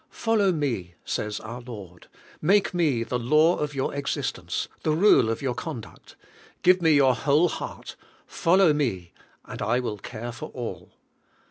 "Follow me," says our Lord, "make me the law of yowx existence, the rule of your conduct; give me your whole heart; fol low me, and I will care for all."